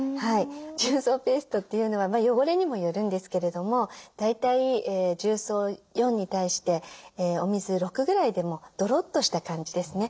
重曹ペーストというのは汚れにもよるんですけれども大体重曹４に対してお水６ぐらいでもドロッとした感じですね。